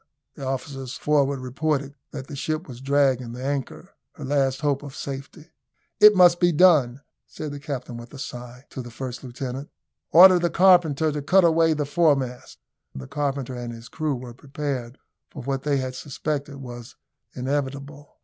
The officers forward reported that the ship was dragging the anchor her last hope of safety. "It must be done," said the captain with a sigh, to the first lieutenant. "Order the carpenter to cut away the foremast." The carpenter and his crew were prepared for what they had suspected was inevitable.